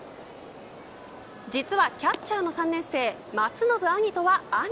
実は、キャッチャーの３年生松延晶音は兄。